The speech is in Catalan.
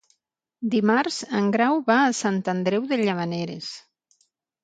Dimarts en Grau va a Sant Andreu de Llavaneres.